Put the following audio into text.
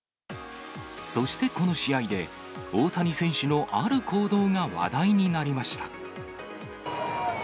そしてこの試合で、大谷選手のある行動が話題になりました。